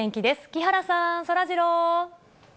木原さん、そらジロー。